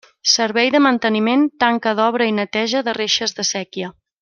Servei de manteniment tanca d'obra i neteja de reixes de séquia.